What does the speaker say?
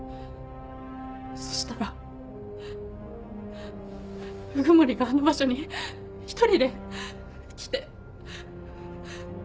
そしたら鵜久森があの場所に一人で来て。